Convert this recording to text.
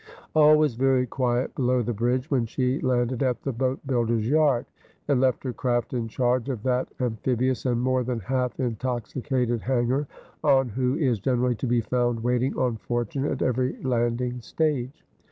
All was very quiet below the bridge when she landed at the boat builder's yard, and left her craft in charge of that amphi bious and more than half intoxicated hanger on who is generally to be found waiting on fortune at every landing stage.